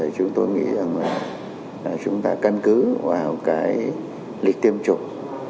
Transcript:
chúng tôi nghĩ rằng là chúng ta căn cứ vào cái lịch tiêm chủng